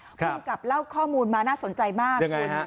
ภูมิกับเล่าข้อมูลมาน่าสนใจมาก